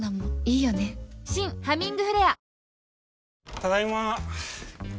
ただいま。